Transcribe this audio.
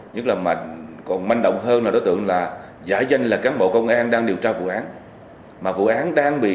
nhưng mà còn manh động hơn là nó tưởng là giải danh là cán bộ công an đang điều tra vụ án